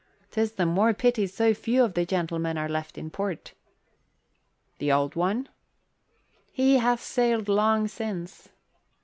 'Tis the more pity so few of the gentlemen are left in port." "The Old One?" "He hath sailed long since."